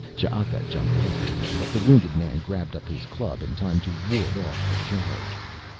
Ch'aka jumped after him but the wounded man grabbed up his club in time to ward off the charge.